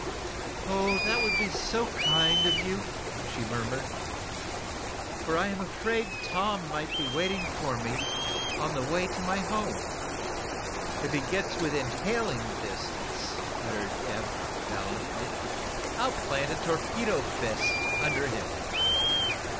"Oh, that will be so kind of you," she murmured. "For I am afraid Tom might be waiting for me, on the way to my home " "If he gets within hailing distance," uttered Eph, valiantly, "I'll plant a torpedo fist under him!"